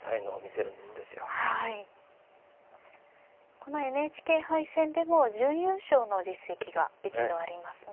このＮＨＫ杯戦でも準優勝の実績が一度ありますね。